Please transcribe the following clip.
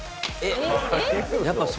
えっ！